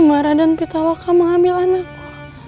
marah dan pitaloka mengambil anakku